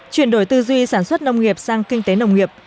chuyển đổi tư duy sản xuất nông nghiệp sang kinh tế nông nghiệp